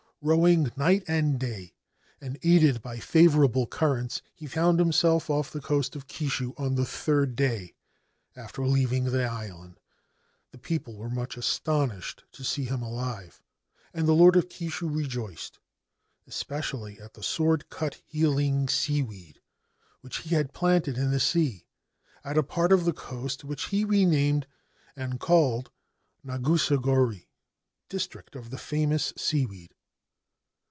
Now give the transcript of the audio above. Rowing night and day and aided by favourable currents, he found himself off the coast of Kishu on the third day after leaving the island. The people were much astonished to see him alive, and the Lord of Kishu rejoiced, especially at the sword cut healing seaweed, which he had planted in the sea at a part of the coast which he renamed and called Nagusa gori (District of the famous Seaweed).